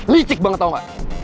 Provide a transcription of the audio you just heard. licik banget tau gak